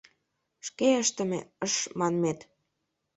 Шке ыштыме, ШШ манмет.